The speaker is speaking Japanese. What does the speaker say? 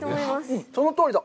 うん、そのとおりだ！